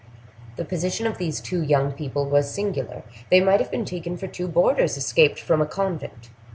The position of these two young people was singular; they might have been taken for two boarders escaped from a convent.